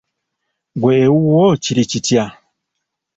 Ggwe ewuwo kiri kitya?